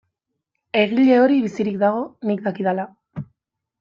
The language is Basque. Egile hori bizirik dago, nik dakidala.